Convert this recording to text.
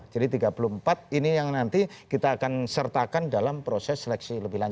jadi tiga puluh empat ini yang nanti kita akan sertakan dalam proses seleksi lebih lanjut